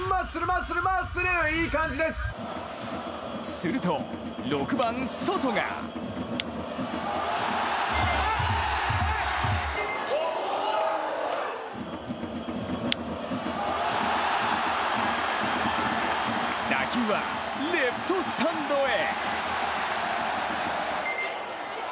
すると６番・ソトが打球はレフトスタンドへ！